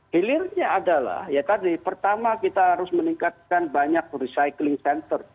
hilirnya adalah ya tadi pertama kita harus meningkatkan banyak recycling center